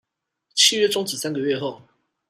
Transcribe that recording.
契約終止三個月後